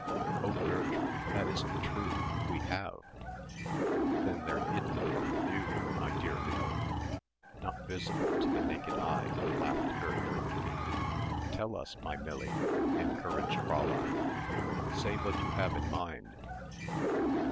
"Oh, Gertrude, that isn't true. We have." "Then they're hidden from view, my dear Mill, not visible to the naked eye," laughed Gertrude. "Tell us, my Millie," encouraged Fräulein, "say what you have in mind.